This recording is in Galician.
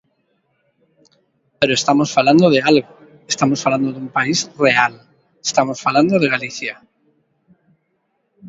Pero estamos falando de algo, estamos falando dun país real, estamos falando de Galicia.